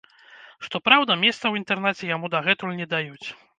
Што праўда, месца ў інтэрнаце яму дагэтуль не даюць.